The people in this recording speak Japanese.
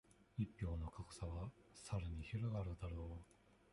一票の格差は、さらに拡がるだろう。